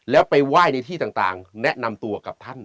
แล้วไปไหว้ในที่ต่างแนะนำตัวกับท่าน